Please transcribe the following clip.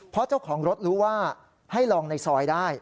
เพราะเจ้าของรถรู้ว่าให้ลองในซอยได้